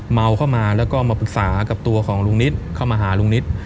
เมาเข้ามาแล้วก็มาปรึกษากับตัวของลุงนิดเข้ามาหาลุงนิต